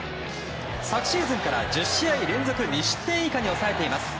昨シーズンから１０試合連続２失点以下に抑えています。